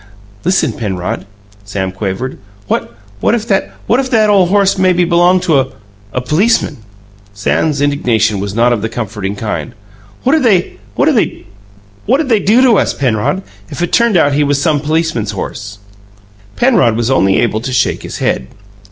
"Listen, Penrod," Sam quavered: "What what if that what if that ole horse maybe b'longed to a policeman!" Sam's imagination was not of the comforting kind. "What'd they do to us, Penrod, if it turned out he was some policeman's horse?" Penrod was able only to shake his head.